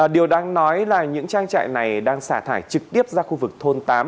điều đáng nói là những trang trại này đang xả thải trực tiếp ra khu vực thôn tám